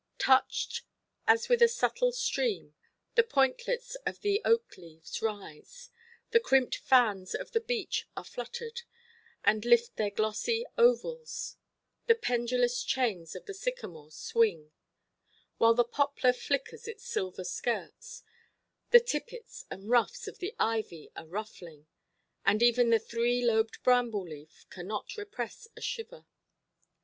Touched as with a subtle stream, the pointlets of the oak–leaves rise, the crimped fans of the beech are fluttered, and lift their glossy ovals, the pendulous chains of the sycamore swing; while the poplar flickers its silver skirts, the tippets and ruffs of the ivy are ruffling, and even the three–lobed bramble–leaf cannot repress a shiver.